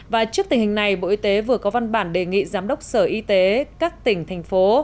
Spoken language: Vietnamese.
và trước tình hình này bộ y tế vừa có văn bản đề nghị giám đốc sở y tế các tỉnh thành phố